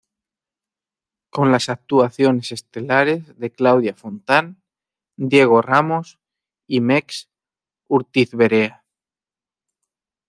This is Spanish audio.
Con las actuaciones estelares de Claudia Fontán, Diego Ramos y Mex Urtizberea.